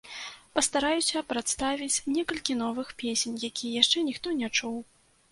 Пастараюся прадставіць некалькі новых песень, якія яшчэ ніхто не чуў.